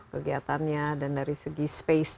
kegiatannya dan dari segi space